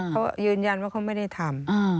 เขายืนยันว่าเขาไม่ได้ทำ